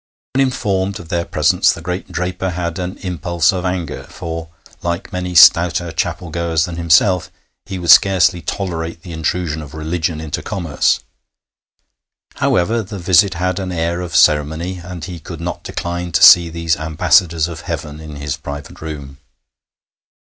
When informed of their presence, the great draper had an impulse of anger, for, like many stouter chapel goers than himself, he would scarcely tolerate the intrusion of religion into commerce. However, the visit had an air of ceremony, and he could not decline to see these ambassadors of heaven in his private room.